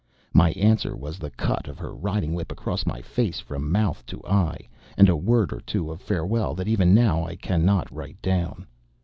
My answer was the cut of her riding whip across my face from mouth to eye, and a word or two of farewell that even now I cannot write down.